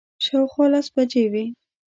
شاوخوا لس بجې وې.